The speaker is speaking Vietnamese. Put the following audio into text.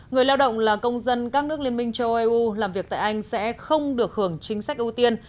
người lao động là công dân các nước liên minh châu âu làm việc tại anh sẽ không được hưởng chính sách ưu tiên